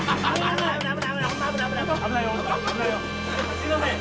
すいません！